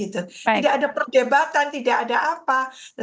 tidak ada perdebatan tidak ada apa